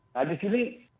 nah di sini